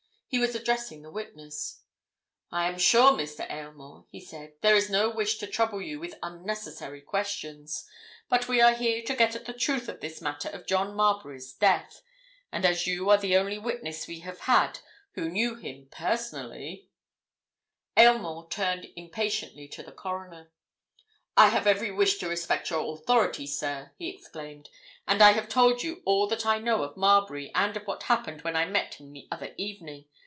He was addressing the witness. "I am sure, Mr. Aylmore," he said, "there is no wish to trouble you with unnecessary questions. But we are here to get at the truth of this matter of John Marbury's death, and as you are the only witness we have had who knew him personally—" Aylmore turned impatiently to the Coroner. "I have every wish to respect your authority, sir!" he exclaimed. "And I have told you all that I know of Marbury and of what happened when I met him the other evening.